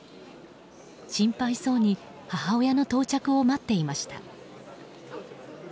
心配そうに母親の到着を待っていました。